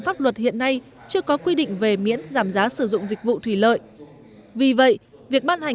pháp luật hiện nay chưa có quy định về miễn giảm giá sử dụng dịch vụ thủy lợi vì vậy việc ban hành